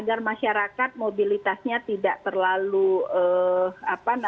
agar masyarakat mobilitasnya tetap tetap tetap berkembang ke tempat tempat wisata